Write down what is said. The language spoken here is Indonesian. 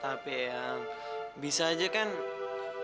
tapi eang bisa aja kan alva terpaksa ngurusin bunga mawar itu sendiri